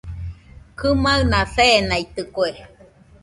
Kɨmaɨna seenaitɨkue